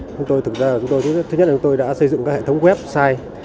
thứ nhất là chúng tôi đã xây dựng hệ thống website